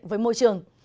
với môi trường